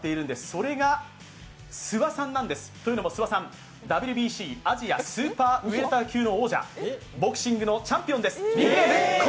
それが諏訪さんなんです、というのも諏訪さん、ＷＢＣアジアスーパーウェルター級の王者ボクシングのチャンピオンです。